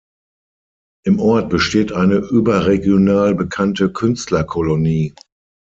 Im Ort besteht eine überregional bekannte Künstlerkolonie.